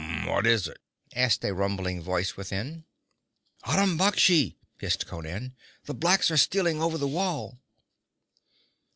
'What is it?' asked a rumbling voice within. 'Aram Baksh!' hissed Conan. 'The blacks are stealing over the wall!'